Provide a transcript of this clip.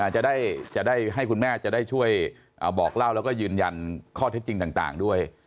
จะได้ให้คุณแม่จะได้ช่วยบอกเล่าแล้วก็ยืนยันข้อเท็จจริงต่างด้วย